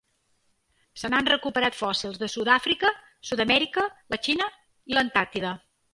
Se n'han recuperat fòssils de Sud-àfrica, Sud-amèrica, la Xina i l'Antàrtida.